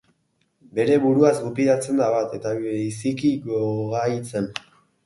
Bere buruaz gupidatzen da bat, eta biziki gogaitzen.